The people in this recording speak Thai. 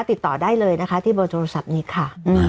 ติดต่อได้เลยนะคะที่เบอร์โทรศัพท์นี้ค่ะ